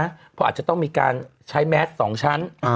เพราะอาจจะต้องมีการใช้แมส๒ชั้น